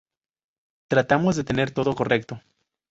Tratamos de tener todo correcto.